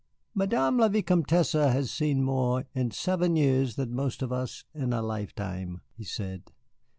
"Madame la Vicomtesse has seen more in seven years than most of us see in a lifetime," he said.